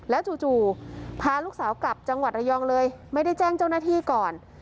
จู่พาลูกสาวกลับจังหวัดระยองเลยไม่ได้แจ้งเจ้าหน้าที่ก่อน